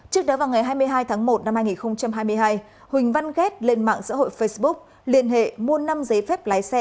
trước đó vào ngày hai mươi hai tháng một năm hai nghìn hai mươi hai huỳnh văn ghét lên mạng xã hội facebook liên hệ mua năm giấy phép lái xe